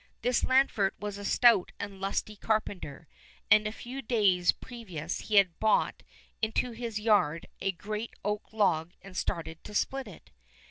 This Lanfert was a stout and lusty carpenter, and a few days pre vious he had brought into his yard a great oak log and started to split it.